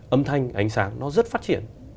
âm thanh ánh sáng nó rất phát triển